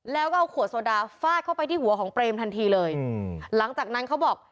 แล้วก็เอาขวดโซดาฟาดเข้าไปที่หัวของเปรมทันทีเลยอืมหลังจากนั้นเขาบอก